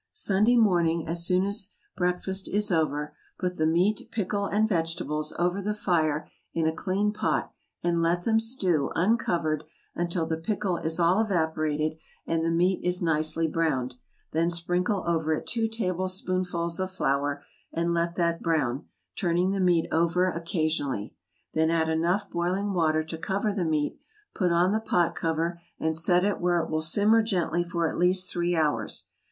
Sunday morning, as soon as breakfast is over, put the meat, pickle, and vegetables, over the fire in a clean pot, and let them stew, uncovered, until the pickle is all evaporated and the meat is nicely browned; then sprinkle over it two tablespoonfuls of flour, and let that brown, turning the meat over occasionally; then add enough boiling water to cover the meat, put on the pot cover, and set it where it will simmer gently for at least three hours.